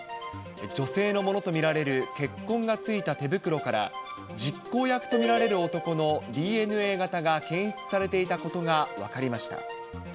女性のものと見られる血痕が付いた手袋から実行役と見られる男のＤＮＡ型が検出されていたことが分かりました。